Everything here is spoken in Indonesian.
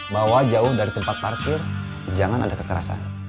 bahwa jauh dari tempat parkir jangan ada kekerasan